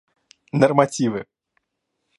Нормативы